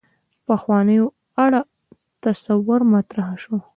پخوانو اړه تصور مطرح شو.